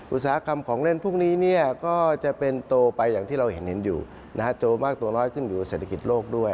อุตสาหกรรมของเล่นพวกนี้ก็จะเป็นโตไปอย่างที่เราเห็นอยู่โตมากตัวน้อยขึ้นอยู่กับเศรษฐกิจโลกด้วย